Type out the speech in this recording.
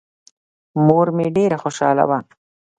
مور مې ډېره خوشاله وه.